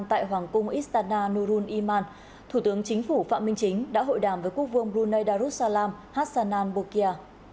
tại hoàng cung istanda nun iman thủ tướng chính phủ phạm minh chính đã hội đàm với quốc vương brunei darussalam hassanan bokia